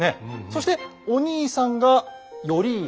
そしてお兄さんが頼家。